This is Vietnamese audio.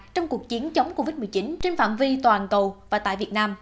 trong cuộc chiến chống covid một mươi chín trên phạm vi toàn cầu và tại việt nam